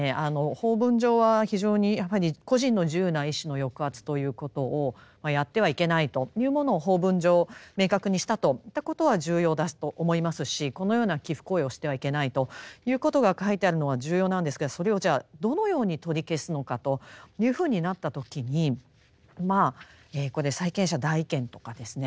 法文上は非常にやはり個人の自由な意思の抑圧ということをやってはいけないというものを法文上明確にしたといったことは重要だと思いますしこのような寄附行為をしてはいけないということが書いてあるのは重要なんですけどそれをじゃあどのように取り消すのかというふうになった時にこれ債権者代位権とかですね